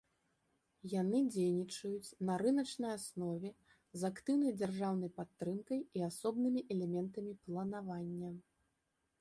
Яны дзейнічаюць на рыначнай аснове з актыўнай дзяржаўнай падтрымкай і асобнымі элементамі планавання.